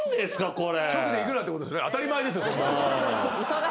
これ。